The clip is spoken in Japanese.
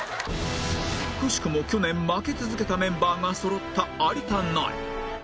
くしくも去年負け続けたメンバーがそろった有田ナイン